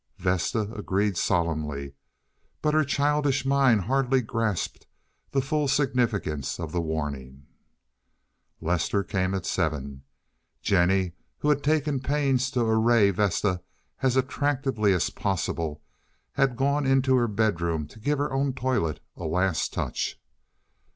Vesta agreed solemnly, but her childish mind hardly grasped the full significance of the warning. Lester came at seven. Jennie, who had taken great pains to array Vesta as attractively as possible, had gone into her bedroom to give her own toilet a last touch.